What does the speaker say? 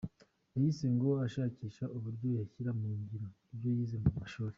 Yahise ngo ashakisha uburyo yashyira mu ngiro ibyo yize mu ishuri.